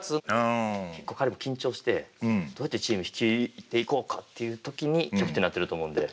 結構彼も緊張してどうやってチーム率いていこうかっていう時にキャプテンになってると思うので。